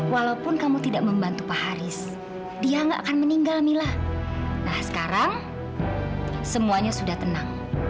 walaupun kamu tidak membantu pak haris dia nggak akan meninggal mila nah sekarang semuanya sudah tenang